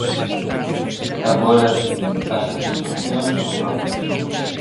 Agora si, as satisfaccións son enormes.